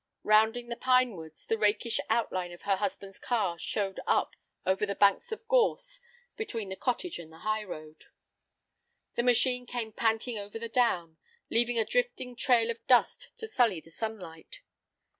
Rounding the pine woods the rakish outline of her husband's car showed up over the banks of gorse between the cottage and the high road. The machine came panting over the down, leaving a drifting trail of dust to sully the sunlight.